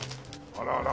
あらあら。